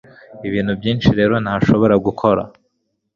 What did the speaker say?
Ibintu byinshi rero ntashobora gukora